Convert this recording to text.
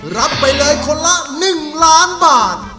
รับไปเลยคนละ๑ล้านบาท